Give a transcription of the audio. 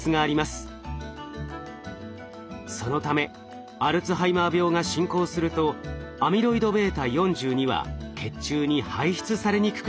そのためアルツハイマー病が進行するとアミロイドβ４２は血中に排出されにくくなります。